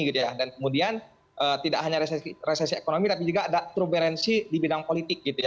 kemudian tidak hanya resesi ekonomi tapi juga ada truberensi di bidang politik